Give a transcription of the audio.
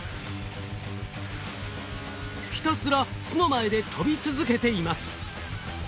ひたすら巣の前で飛び続けています。